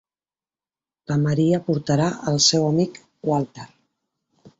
La Maria portarà el seu amic Walter.